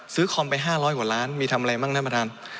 คอมไป๕๐๐กว่าล้านมีทำอะไรบ้างท่านประธาน